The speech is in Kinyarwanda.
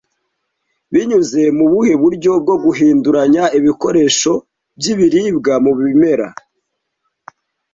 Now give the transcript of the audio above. Binyuze mu buhe buryo bwo guhinduranya ibikoresho byibiribwa mu bimera